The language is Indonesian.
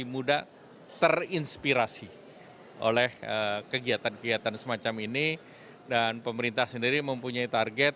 muda terinspirasi oleh kegiatan kegiatan semacam ini dan pemerintah sendiri mempunyai target